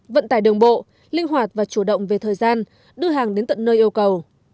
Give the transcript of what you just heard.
vận tải đường bộ linh hoạt và chủ động về thời gian đưa hàng đến tận nơi yêu cầu